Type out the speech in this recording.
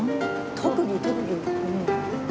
特技特技。